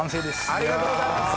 ありがとうございます！